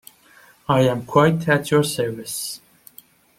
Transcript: I am quite at your service.